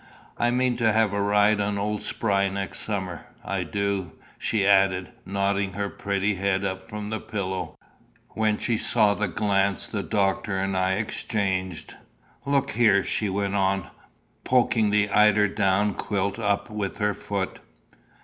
I mean to have a ride on old Spry next summer. I do," she added, nodding her pretty head up from the pillow, when she saw the glance the doctor and I exchanged. "Look here," she went on, poking the eider down quilt up with her foot.